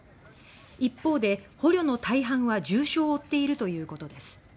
一方で捕虜の大半は重傷を負っているということです。